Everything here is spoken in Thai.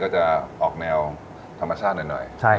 จะออกแนวธรรมชาติหน่อย